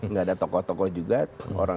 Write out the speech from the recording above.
nggak ada tokoh tokoh juga orang